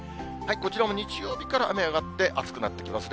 こちらも日曜日から雨上がって、暑くなってきますね。